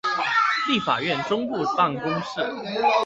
立法院中部辦公室